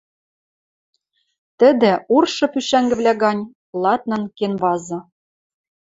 Тӹдӹ, уршы пӱшӓнгӹвлӓ гӓнь, ладнан кенвазы.